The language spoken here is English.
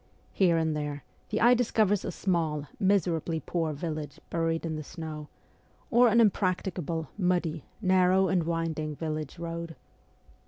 Here and there the eye discovers a small, miserably poor village buried in the snow, or an impracticable, muddy, narrow, and winding village road.